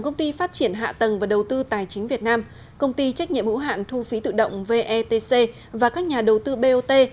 công ty trách nhiệm hữu hạn thu phí tự động vetc và các nhà đầu tư bot